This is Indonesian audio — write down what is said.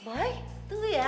bye tunggu ya